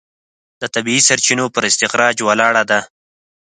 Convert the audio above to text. د طبیعي سرچینو پر استخراج ولاړه ده.